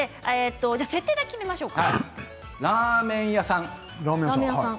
設定だけ決めましょう。